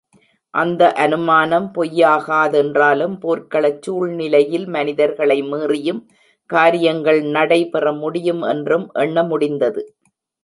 அந்த அனுமானம் பொய்யாகாதென்றாலும் போர்க்களச் சூழ்நிலையில் மனிதர்களை மீறியும் காரியங்கள் நடைபெற முடியும் என்றும் எண்ண முடிந்தது.